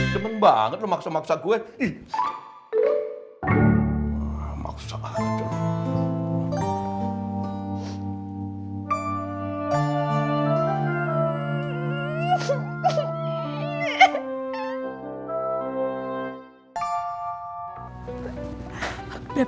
cement banget lo maksa maksa gue